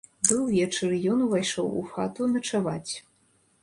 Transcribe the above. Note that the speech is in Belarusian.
Быў вечар, і ён увайшоў у хату начаваць.